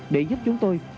để giúp chúng tôi